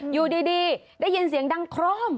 อยู่ดีได้ยินเสียงดังโคร่ม